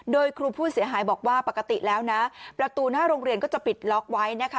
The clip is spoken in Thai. โดยครูผู้เสียหายบอกว่าปกติแล้วนะประตูหน้าโรงเรียนก็จะปิดล็อกไว้นะคะ